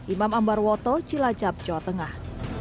imam ambar woto cilacap jawa tengah